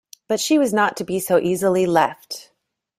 But she was not to be so easily left.